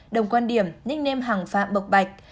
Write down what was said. đồng quan điểm nickname hằng phạm bộc bạch